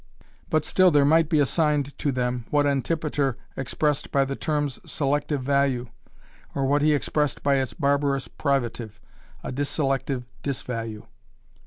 But still there might be assigned to them what Antipater expressed by the term 'a selective value' or what he expressed by its barbarous privative, 'a disselective disvalue'.